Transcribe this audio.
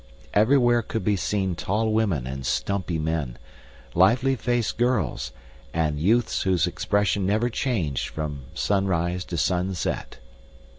Everywhere could be seen tall women and stumpy men, lively faced girls, and youths whose expression never changed from sunrise to sunset.